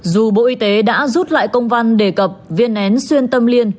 dù bộ y tế đã rút lại công văn đề cập viên én xuyên tâm liên